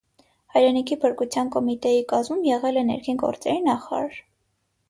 Հայրենիքի փրկության կոմիտեի կազմում եղել է ներքին գործերի նախարար։